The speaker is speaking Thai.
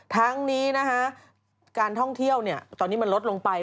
ทั้งนี้นะคะการท่องเที่ยวตอนนี้มันลดลงไป